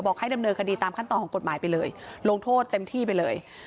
ให้ดำเนินคดีตามขั้นตอนของกฎหมายไปเลยลงโทษเต็มที่ไปเลย